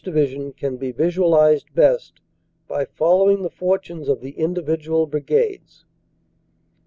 Division, can be visualized best by following the fortunes of the individual brigades.